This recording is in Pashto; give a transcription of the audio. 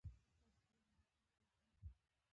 جلګه د افغانستان د جغرافیایي موقیعت پایله ده.